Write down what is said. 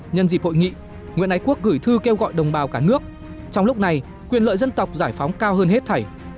nhân dịp hội nghị nguyễn ái quốc gửi thư kêu gọi đồng bào cả nước trong lúc này quyền lợi dân tộc giải phóng cao hơn hết thảy